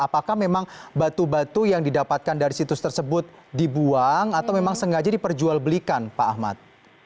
apakah memang batu batu yang didapatkan dari situs tersebut dibuang atau memang sengaja diperjualbelikan pak ahmad